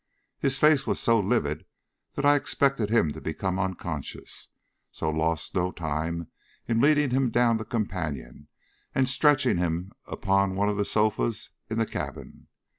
His face was so livid that I expected him to become unconscious, so lost no time in leading him down the companion, and stretching him upon one of the sofas in the cabin.